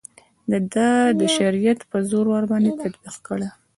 د ده شریعت په زور ورباندې تطبیق کړي.